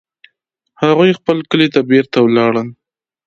هغوی خپل کلي ته بیرته ولاړل